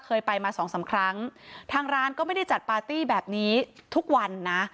เคยไปมาสองสามครั้งทางร้านก็ไม่ได้จัดปาร์ตี้แบบนี้ทุกวันนะ